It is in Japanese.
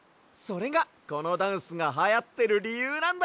それがこのダンスがはやってるりゆうなんだよ。